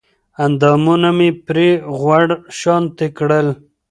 اندامونه مې پرې غوړ شانتې کړل